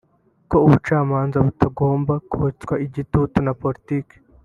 ko ubucamanza butagomba kotswa igitutu na politike